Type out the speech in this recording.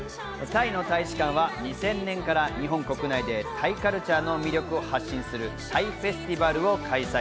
タイの大使館は２０００年から日本国内でタイカルチャーの魅力を発信するタイフェスティバルを開催。